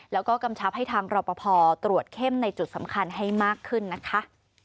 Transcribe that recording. แล้วก็กำชับให้ทางรอปภตรวจเข้มในจุดสำคัญให้มากขึ้นนะคะ